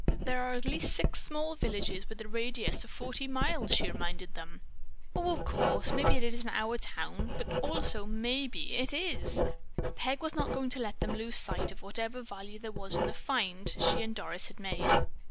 "There are at least six small villages within a radius of forty miles," she reminded them. "Oh, of course, maybe it isn't our town, but, also, maybe it is." Peg was not going to let them lose sight of whatever value there was in the "find" she and Doris had made.